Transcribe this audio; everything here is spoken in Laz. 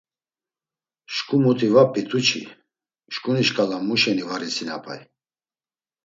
“Şǩu muti va p̌itu çi, şǩuni şǩala mu şeni var isinapay?”